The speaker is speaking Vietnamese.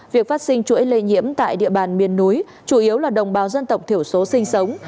việc phát sinh chuỗi lây nhiễm tại địa bàn miền núi chủ yếu là đồng bào dân tộc thiểu số sinh sống